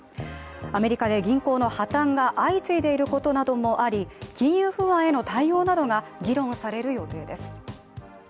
アメリカで銀行の破綻が相次いでいることなどもあり、金融不安への対応などが議論される予定です。